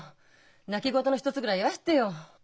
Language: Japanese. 泣き言の一つぐらい言わしてよ。